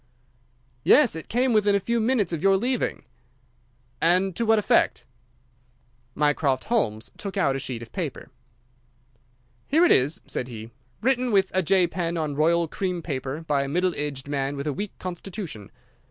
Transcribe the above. "Yes, it came within a few minutes of your leaving." "And to what effect?" Mycroft Holmes took out a sheet of paper. "Here it is," said he, "written with a J pen on royal cream paper by a middle aged man with a weak constitution.